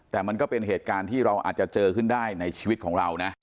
แต่มันก็เป็นเหตุการณ์ที่เราอาจจะเจอขึ้นได้ในชีวิตของเรานะ